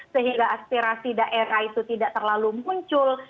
sehingga aspirasi daerah itu tidak terlalu muncul